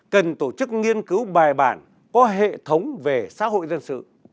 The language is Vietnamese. cần tổ chức nghiên cứu bài bản có hệ thống về xã hội dân sự